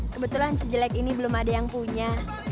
kebetulan jelek ini belum ada yang punya